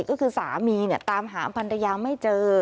ก็คือสามีเนี่ยตามหาภรรยาไม่เจอ